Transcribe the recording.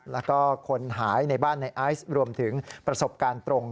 แล้วก็คนหายในบ้านในไอซ์รวมถึงประสบการณ์ตรง